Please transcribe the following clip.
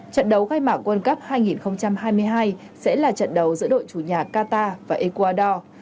trận đấu khai mạc world cup hai nghìn hai mươi hai sẽ là trận đấu giữa đội chủ nhà qatar và ecuador